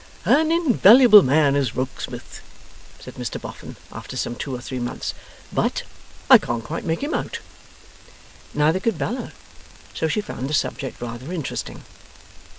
'An invaluable man is Rokesmith,' said Mr Boffin, after some two or three months. 'But I can't quite make him out.' Neither could Bella, so she found the subject rather interesting.